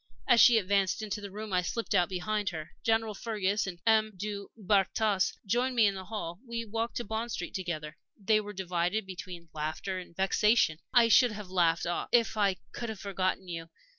As she advanced into the room, I slipped out behind her. General Fergus and M. du Bartas joined me in the hall. We walked to Bond Street together. They were divided between laughter and vexation. I should have laughed if I could have forgotten you.